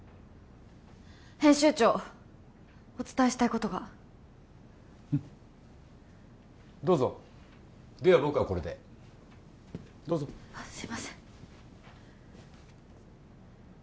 編集長お伝えしたいことがうんどうぞでは僕はこれでどうぞすいません